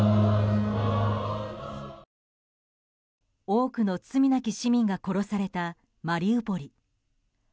多くの罪なき市民が殺されたマリウポリ。